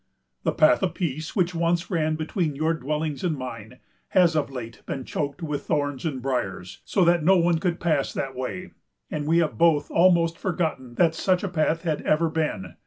"The path of peace, which once ran between your dwellings and mine, has of late been choked with thorns and briers, so that no one could pass that way; and we have both almost forgotten that such a path had ever been.